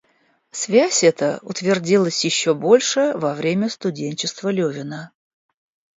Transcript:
Связь эта утвердилась еще больше во время студенчества Левина.